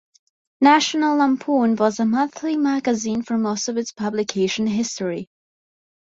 "National Lampoon" was a monthly magazine for most of its publication history.